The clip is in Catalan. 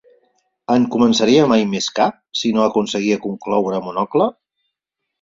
¿En començaria mai més cap, si no aconseguia concloure Monocle?